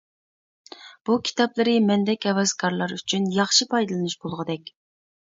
بۇ كىتابلىرى مەندەك ھەۋەسكارلار ئۈچۈن ياخشى پايدىلىنىش بولغۇدەك.